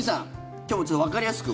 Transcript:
今日もちょっとわかりやすく。